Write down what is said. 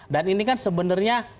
dan ini kan sebenarnya